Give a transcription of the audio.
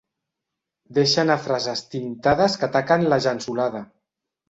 Deixa anar frases tintades que taquen la llençolada.